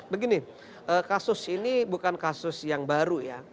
begini kasus ini bukan kasus yang baru ya